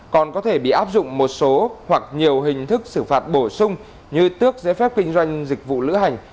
còn có thể bị áp dụng một số hoặc nhiều hình thức xử phạt bổ sung như tước giấy phép kinh doanh dịch vụ lữ hành